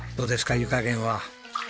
湯加減は。